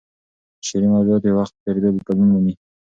شعري موضوعات د وخت په تېرېدو بدلون مومي.